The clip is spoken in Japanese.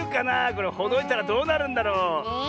これほどいたらどうなるんだろう。ねえ。